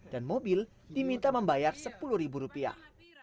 dan mobil diminta membayar sepuluh rupiah